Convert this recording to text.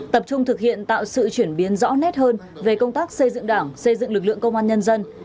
tập trung thực hiện tạo sự chuyển biến rõ nét hơn về công tác xây dựng đảng xây dựng lực lượng công an nhân dân